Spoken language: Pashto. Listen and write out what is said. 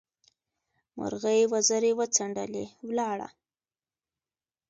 مرغۍ وزرې وڅنډلې؛ ولاړه.